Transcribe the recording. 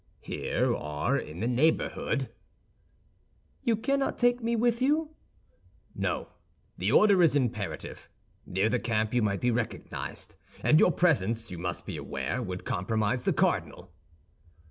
"Here, or in the neighborhood." "You cannot take me with you?" "No, the order is imperative. Near the camp you might be recognized; and your presence, you must be aware, would compromise the cardinal."